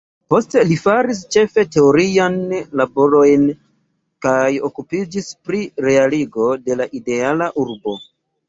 Poste li faris ĉefe teoriajn laborojn kaj okupiĝis pri realigo de la ideala urbo.